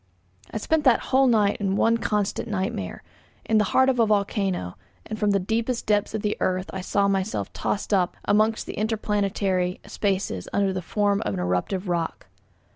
I spent that whole night in one constant nightmare; in the heart of a volcano, and from the deepest depths of the earth I saw myself tossed up amongst the interplanetary spaces under the form of an eruptive rock.